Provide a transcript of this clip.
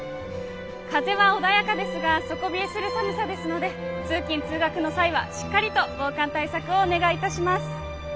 風は穏やかですが底冷えする寒さですので通勤通学の際はしっかりと防寒対策をお願いいたします。